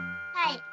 はい。